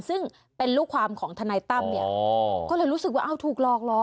ซึ่งเป็นลูกความของทนายตั้มเนี่ยก็เลยรู้สึกว่าอ้าวถูกหลอกเหรอ